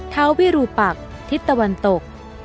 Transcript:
เท้าวิรูปักทิศตะวันตก